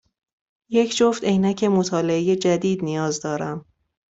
یک جفت عینک مطالعه جدید نیاز دارم.